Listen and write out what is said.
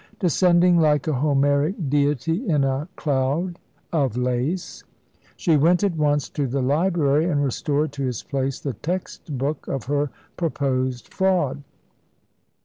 Descending like a Homeric deity in a cloud of lace she went at once to the library, and restored to its place the text book of her proposed fraud.